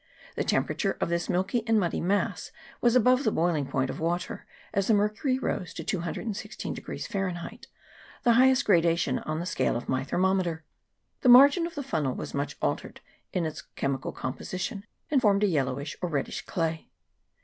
The temperature of this milky and muddy mass was above the boiling point of water, as the mercury rose to 216 Fahr., the highest gradation on the scale of my thermo meter. The margin of the funnel was much altered in its chemical composition, and formed a yellowish or reddish clay.